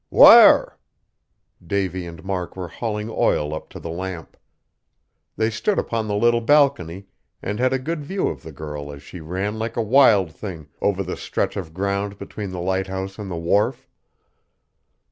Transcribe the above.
"Whar?" Davy and Mark were hauling oil up to the lamp. They stood upon the little balcony, and had a good view of the girl as she ran like a wild thing over the stretch of ground between the lighthouse and the wharf.